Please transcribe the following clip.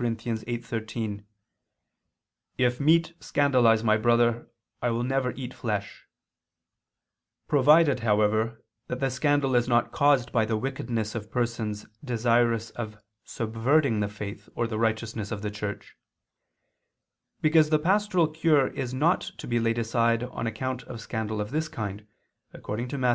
8:13): "If meat scandalize my brother, I will never eat flesh": provided, however, the scandal is not caused by the wickedness of persons desirous of subverting the faith or the righteousness of the Church; because the pastoral cure is not to be laid aside on account of scandal of this kind, according to Matt.